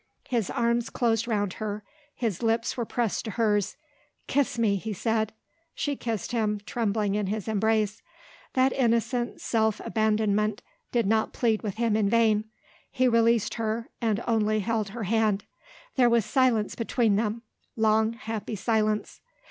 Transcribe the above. His arms closed round her; his lips were pressed to hers. "Kiss me," he said. She kissed him, trembling in his embrace. That innocent self abandonment did not plead with him in vain. He released her and only held her hand. There was silence between them; long, happy silence.